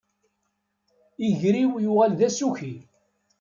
Iger-iw yuɣal d asuki